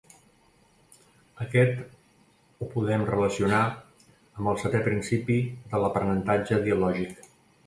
Aquest ho podem relacionar amb el setè principi de l'Aprenentatge Dialògic.